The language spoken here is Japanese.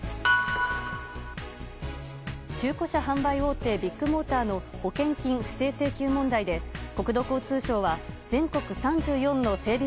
中古車販売大手ビッグモーターの保険金不正請求問題で国土交通省は全国３４の整備